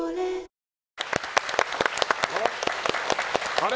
あれ？